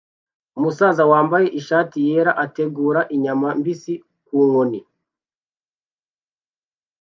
umusaza wambaye ishati yera ategura inyama mbisi ku nkoni